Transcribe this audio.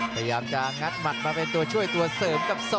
พยายามจะงัดหมัดมาเป็นตัวช่วยตัวเสริมกับ๒